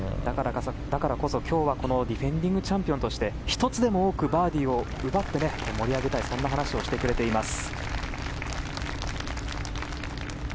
だからこそ、今日はディフェンディングチャンピオンとして１つでも多くバーディーを奪って盛り上げたいと話をしてくれています。